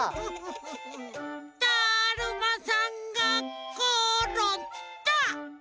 だるまさんがころんだ！